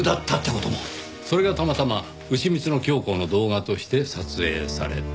それがたまたまうしみつのキョウコの動画として撮影された。